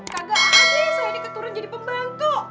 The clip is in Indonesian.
kagak aja saya ini keturun jadi pembantu